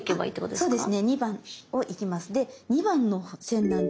そうですね。